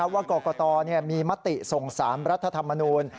ว่ากรกตมีมติส่ง๓รัฐธรรมนูล